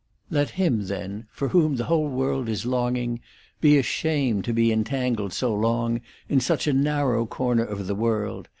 § 4. Let him, then, for whom the whole world is look ing, be ashamed to be entangled so long in such a narrow cornerof the world